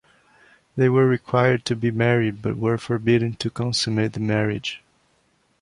They were required to be married but were forbidden to consummate the marriage.